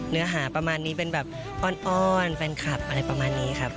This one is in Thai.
เนื้อหาประมาณนี้เป็นแบบอ้อนแฟนคลับอะไรประมาณนี้ครับ